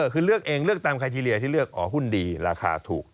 คือเลือกเองเลือกตามไคทีเรียที่เลือกอ๋อหุ้นดีราคาถูก